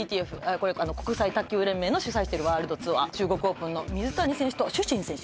これ国際卓球連盟の主催してるワールドツアー中国オープンの水谷選手とシュシン選手